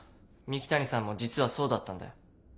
三鬼谷さんも実はそうだったんだよ。